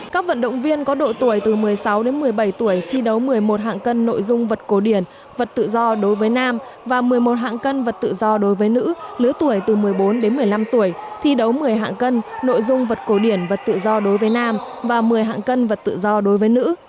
các vận động viên có độ tuổi từ một mươi sáu đến một mươi bảy tuổi thi đấu một mươi một hạng cân nội dung vật cổ điển vật tự do đối với nam và một mươi một hạng cân vật tự do đối với nữ lứa tuổi từ một mươi bốn đến một mươi năm tuổi thi đấu một mươi hạng cân nội dung vật cổ điển vật tự do đối với nam và một mươi hạng cân vật tự do đối với nữ